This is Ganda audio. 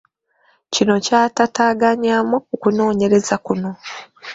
Kino kyatataaganyaamu ku kunoonyereza kuno.